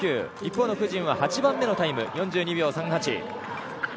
一方のクジンは８番目のタイム４２秒３８。